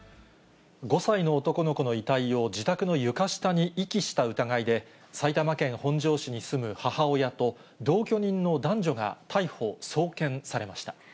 ５歳の男の子の遺体を自宅の床下に遺棄した疑いで、埼玉県本庄市に住む母親と、同居人の男女が逮捕・送検されました。